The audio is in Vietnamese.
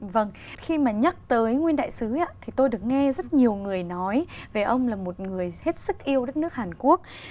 vâng khi mà nhắc tới nguyên đại sứ thì tôi được nghe rất nhiều người nói về ông là một người hết sức yêu đất nước hàn quốc